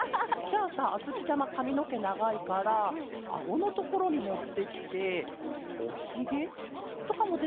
じゃあさあづきちゃまかみのけながいからあごのところにもってきておひげとかもできるケロよね？